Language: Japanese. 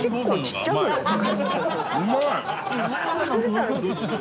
うまい！